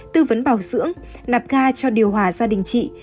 tư vấn bảo dưỡng nạp ga cho điều hòa gia đình chị